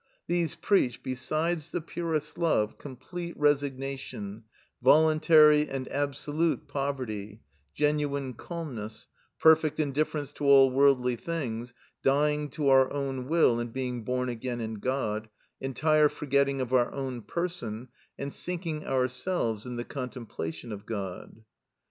These preach, besides the purest love, complete resignation, voluntary and absolute poverty, genuine calmness, perfect indifference to all worldly things, dying to our own will and being born again in God, entire forgetting of our own person, and sinking ourselves in the contemplation of God.